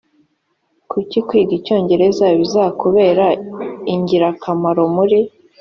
kuki kwiga icyongereza bizakubera ingirakamaro muri